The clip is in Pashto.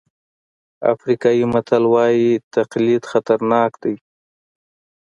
افریقایي متل وایي تقلید خطرناک دی.